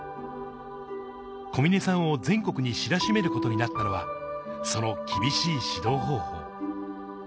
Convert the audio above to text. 小嶺さんを全国に知らしめることになったのは、その厳しい指導方法。